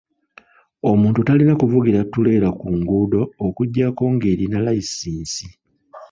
Omuntu talna kuvugira ttuleera ku nguudo okuggyako ng'erina layisinsi.